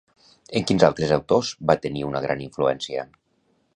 En quins altres autors va tenir una gran influència?